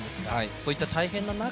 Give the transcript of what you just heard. そういった大変な中